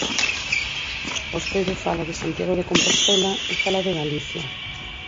Vostede fala de Santiago de Compostela e fala de Galicia.